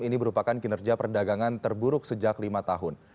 ini merupakan kinerja perdagangan terburuk sejak lima tahun